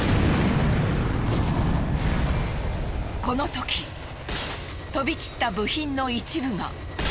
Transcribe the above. このとき飛び散った部品の一部が。